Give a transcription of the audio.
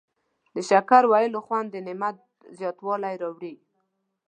د شکر ویلو خوند د نعمت زیاتوالی راوړي.